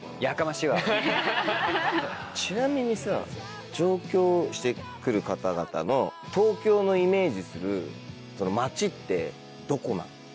ちなみにさ上京して来る方々の東京のイメージする街ってどこなの？